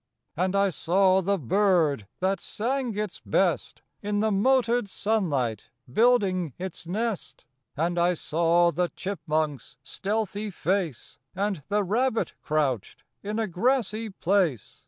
And I saw the bird, that sang its best, In the moted sunlight building its nest. And I saw the chipmunk's stealthy face, And the rabbit crouched in a grassy place.